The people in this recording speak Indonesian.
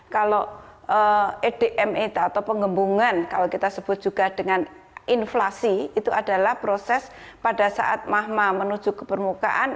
kalau edma atau pengembungan kalau kita sebut juga dengan inflasi itu adalah proses pada saat mahma menuju ke permukaan